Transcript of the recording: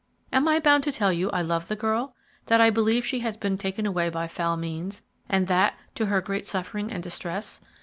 Am I bound to tell you I love the girl? that I believe she has been taken away by foul means, and that to her great suffering and distress?